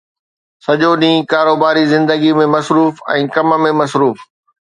سڄو ڏينهن ڪاروباري زندگيءَ ۾ مصروف ۽ ڪم ۾ مصروف